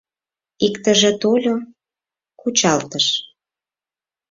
Иктыже тольо — кучалтыш